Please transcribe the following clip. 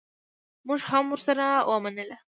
مونږ هم ورسره ومنله.